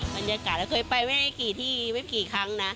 บรรยากาศเราเคยไปไม่ได้กี่ที่ไม่กี่ครั้งนะ